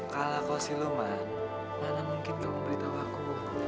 kalau kau siluman mana mungkin kamu beritahu aku